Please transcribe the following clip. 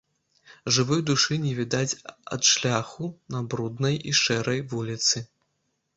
Жывой душы не відаць ад шляху на бруднай і шэрай вуліцы.